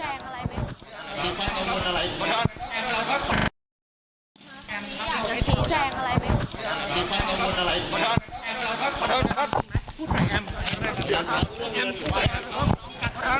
ไอ้พ่อคำวิวมาใช้นายต้องเสียชีวิตออกกันนะ